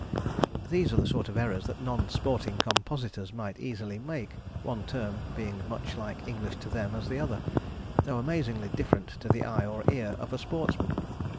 These are the sort of errors that non sporting compositors might easily make, one term being as much like English to them as the other, though amazingly different to the eye or the ear of a sportsman.